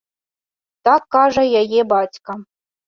Так кажа яе бацька.